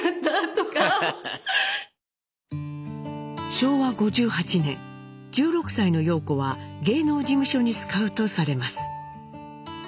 昭和５８年１６歳の陽子は芸能事務所にスカウトされます。